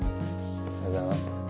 おはようございます。